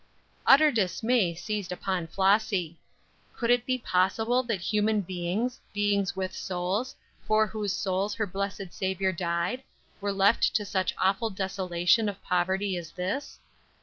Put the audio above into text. Utter dismay seized upon Flossy. Could it be possible that human beings, beings with souls, for whose souls her blessed Saviour died, were left to such awful desolation of poverty as this!